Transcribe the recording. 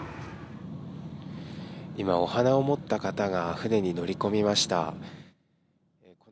今、お花を持った方が、船に乗り込みました。